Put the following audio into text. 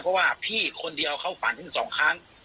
เพราะว่าพี่คนเดียวเขาฝันถึงสองครั้ง